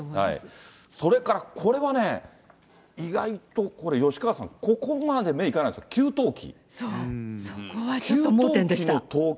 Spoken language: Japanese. それからこれはね、意外とこれ、吉川さん、ここまで目いかないですよね、給湯器。